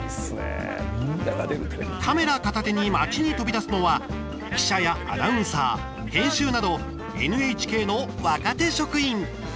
カメラ片手に町に飛び出すのは記者やアナウンサー、編集などＮＨＫの若手職員。